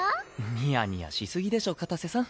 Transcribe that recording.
ニヤニヤしすぎでしょ片瀬さん。